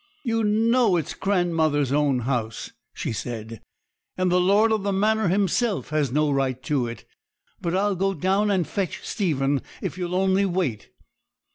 'You know it's grandmother's own house,' she said; 'and the lord of the manor himself has no right to it. But I'll go down and fetch Stephen, if you'll only wait.'